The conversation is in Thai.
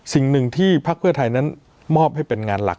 สิ่งนึงที่ภพธัยนั้นมอบให้เป็นงานหลัก